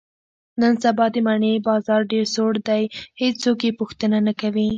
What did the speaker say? نن سبا د مڼې بازار ډېر سوړ دی، هېڅوک یې پوښتنه نه کوي.